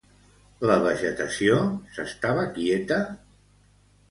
La vegetació s'estava quieta?